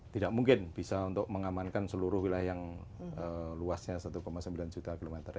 tidak mungkin bisa untuk mengamankan seluruh wilayah yang luasnya satu sembilan juta km